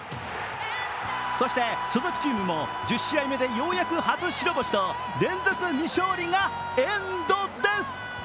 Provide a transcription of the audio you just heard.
そして所属チームも１０試合目でようやく初白星と連続未勝利がエンドです。